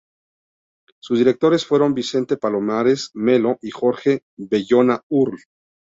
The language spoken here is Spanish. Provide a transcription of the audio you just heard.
Sus directores fueron Vicente Palomares Melo y Jorge Bayona Url.